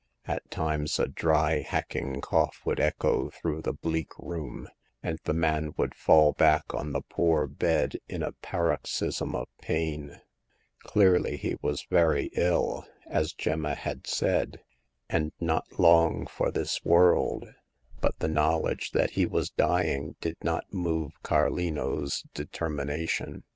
At times a dry hacking cough would echo through the bleak room, and the man would fall back on the poor bed in a paroxysm of pain. Clearly he was very ill, as Gemma had said, and not lotv^ lot IVn^^nr^^VjIx 126 Hagar of the Pawn Shop. but the knowledge that he was dying did not move Cadino's determination.